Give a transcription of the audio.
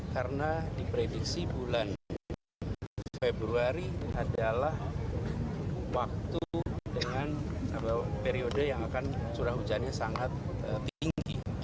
karena diprediksi bulan februari adalah waktu dengan periode yang akan curah hujannya sangat tinggi